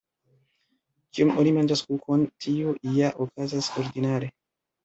Kiam oni manĝas kukon, tio ja okazas ordinare.